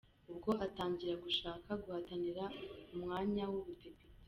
Ubwo atangira gushaka guhatanira umwanya w’Ubudepite.